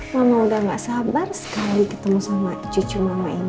mama udah gak sabar sekali ketemu sama cucu mama ini